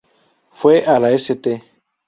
Fue a la St.